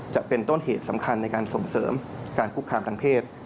จะเป็นต้นเหตุสำคัญในการส่งเสริมการคุกคามทางเพศ